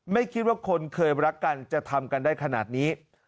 ไม่คิดว่าคนเคยรักกันจะทำกันได้ขนาดนี้